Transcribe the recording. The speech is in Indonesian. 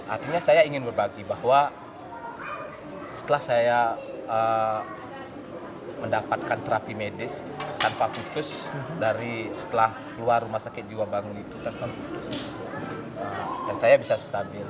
artinya saya ingin berbagi bahwa setelah saya mendapatkan terapi medis tanpa putus dari setelah keluar rumah sakit jiwa bangli itu tanpa putus dan saya bisa stabil